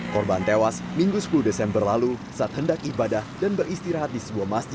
korban datang mengetuk rumah pelaku yds dengan nada keras